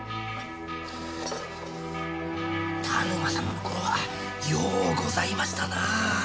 田沼様の頃はようございましたなあ。